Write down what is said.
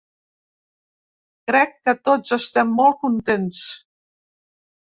Crec que tots estem molt contents.